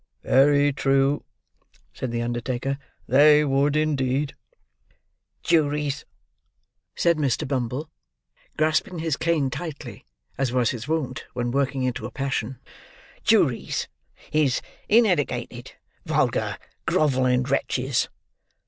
"Very true," said the undertaker; "they would indeed." "Juries," said Mr. Bumble, grasping his cane tightly, as was his wont when working into a passion: "juries is ineddicated, vulgar, grovelling wretches."